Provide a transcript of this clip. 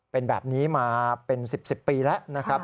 เป็นแบบนี้มาเป็น๑๐ปีแล้วนะครับ